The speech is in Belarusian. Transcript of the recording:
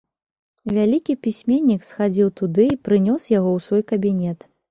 Вялікі пісьменнік схадзіў туды й прынёс яго ў свой кабінет.